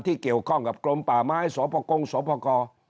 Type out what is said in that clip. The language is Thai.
ที่เกี่ยวข้องกับกรมป่าไม้สพกงสพ